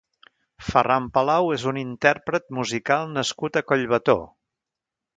Ferran Palau és un intèrpret musical nascut a Collbató.